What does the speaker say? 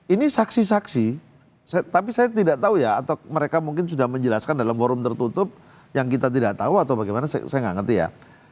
ini saksi saksi tapi saya tidak tahu ya atau mereka mungkin sudah menjelaskan dalam forum tertutup yang kita tidak tahu atau bagaimana saya nggak ngerti ya